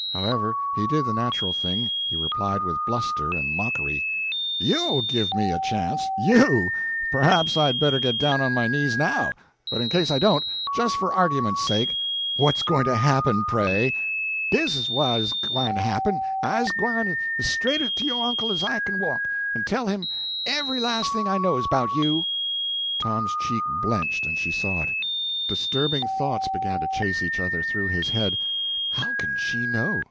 However, he did the natural thing: he replied with bluster and mockery: "You'll give me a chance you! Perhaps I'd better get down on my knees now! But in case I don't just for argument's sake what's going to happen, pray?" "Dis is what is gwine to happen. I's gwine as straight to yo' uncle as I kin walk, en tell him every las' thing I knows 'bout you." Tom's cheek blenched, and she saw it. Disturbing thoughts began to chase each other through his head. "How can she know?